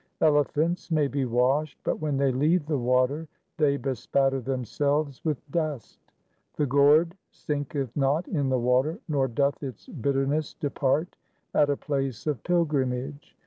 Elephants may be washed, but when they leave the water they bespatter themselves with dust. The gourd sinketh not in the water, nor doth its bitterness depart at a place of pilgrimage.